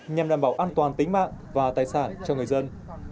nhằm đảm bảo an toàn tính mạng và tài sản cho người dân